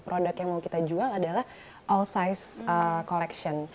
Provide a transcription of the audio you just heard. produk yang mau kita jual adalah all size collection